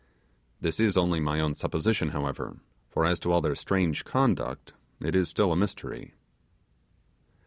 This is only my own supposition, however, for as to all their strange conduct, it is still a mystery.